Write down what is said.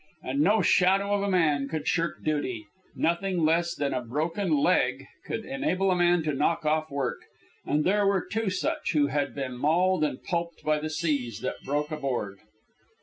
And no shadow of a man could shirk duty. Nothing less than a broken leg could enable a man to knock off work; and there were two such, who had been mauled and pulped by the seas that broke aboard.